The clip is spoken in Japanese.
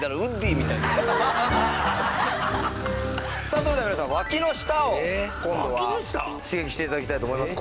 さあそれでは皆さんわきの下を今度は刺激して頂きたいと思います。